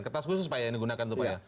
kertas khusus yang digunakan itu pak